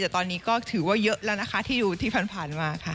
แต่ตอนนี้ก็ถือว่าเยอะแล้วนะคะที่อยู่ที่ผ่านมาค่ะ